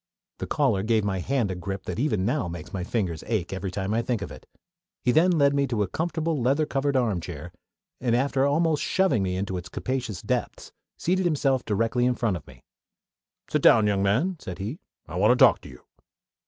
The caller gave my hand a grip that even now makes my fingers ache every time I think of it. He then led me to a comfortable, leather covered arm chair, and, after almost shoving me into its capacious depths, seated himself directly in front of me. "Sit down, young man," said he. "I want to talk to you."